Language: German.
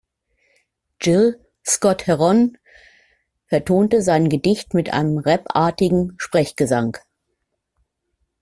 Gil Scott-Heron vertonte sein Gedicht mit einem Rap-artigen Sprechgesang.